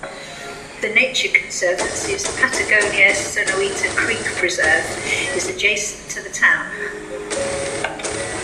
The Nature Conservancy's Patagonia-Sonoita Creek Preserve is adjacent to the town.